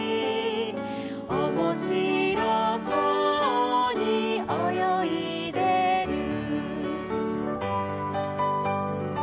「おもしろそうにおよいでる」